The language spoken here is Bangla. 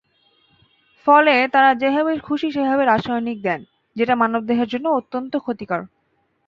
ফলে তাঁরা যেভাবে খুশি সেভাবে রাসায়নিক দেন, যেটা মানবদেহের জন্য অত্যন্ত ক্ষতিকর।